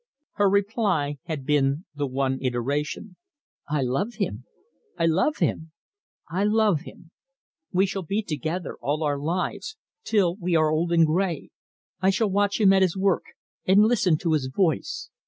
Her reply had been the one iteration: "I love him I love him I love him. We shall be together all our lives, till we are old and grey. I shall watch him at his work, and listen to his voice.